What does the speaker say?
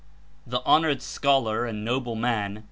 The honored scholar and noble man.